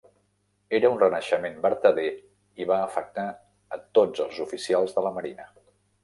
Era un renaixement vertader i va afectar a tots els oficials de la marina.